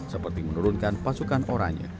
seperti menurunkan pasukan orangnya